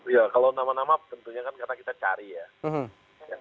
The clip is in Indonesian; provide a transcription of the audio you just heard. ya kalau nama nama tentunya kan karena kita cari ya